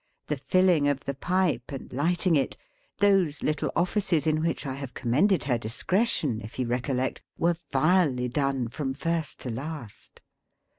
The filling of the Pipe and lighting it; those little offices in which I have commended her discretion, if you recollect; were vilely done, from first to last.